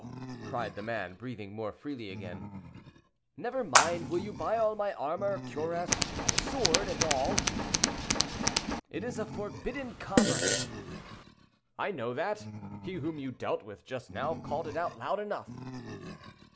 cried the man, breathing more freely again. "Never mind; will you buy all my armor, cuirass, sword, and all?" "It is a forbidden commerce." "I know that; he whom you dealt with just now called it out loud enough."